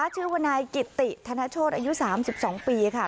ชื่อว่านายกิติธนโชธอายุ๓๒ปีค่ะ